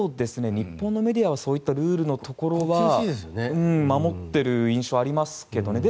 日本のメディアはそういうルールのところは守っている印象ありますけどね。